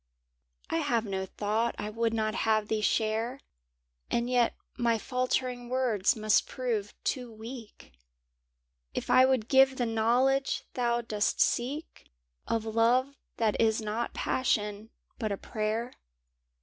I have no thought I would not have thee share. And yet my faltering words must prove too weak If I would give the knowledge thou dost seek Of love that is not passion, but a prayer.